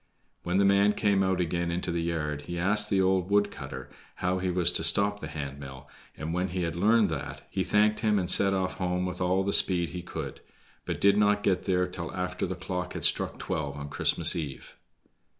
When the man came out again into the yard he asked the old wood cutter how he was to stop the hand mill, and when he had learned that, he thanked him and set off home with all the speed he could, but did not get there until after the clock had struck twelve on Christmas eve.